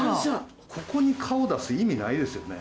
ここに顔出す意味ないですよね。